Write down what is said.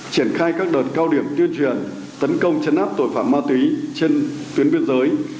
triển khai các đợt cao điểm tuyên truyền tấn công chấn áp tội phạm ma túy trên tuyến biên giới